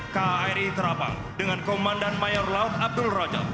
kri terapang dengan komandan mayer laut abdul raja